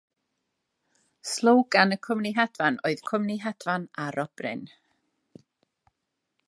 Slogan y cwmni hedfan oedd "Cwmni hedfan arobryn".